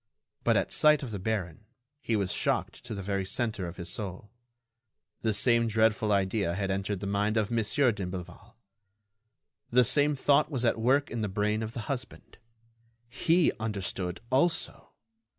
But, at sight of the baron, he was shocked to the very centre of his soul. The same dreadful idea had entered the mind of Monsieur d'Imblevalle. The same thought was at work in the brain of the husband. He understood, also!